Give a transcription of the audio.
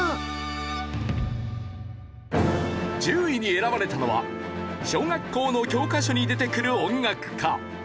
１０位に選ばれたのは小学校の教科書に出てくる音楽家。